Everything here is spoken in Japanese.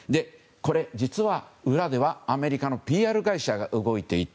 実は裏ではアメリカのＰＲ会社が動いていた。